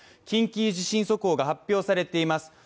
緊急地震速報が発表されています。